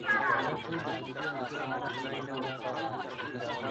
یانې مرګ پسې مې ټول جهان را ووت ,